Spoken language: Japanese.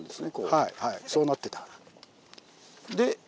はいはいそうなってた。